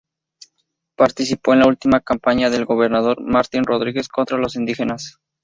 Participó de la última campaña del gobernador Martín Rodríguez contra los indígenas.